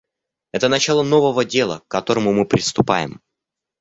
Это начало нового дела, к которому мы приступаем.